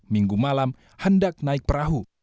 minggu malam hendak naik perahu